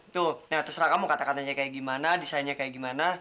tuh nah terserah kamu kata katanya kayak gimana desainnya kayak gimana